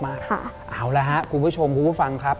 เอาละครับคุณผู้ชมคุณผู้ฟังครับ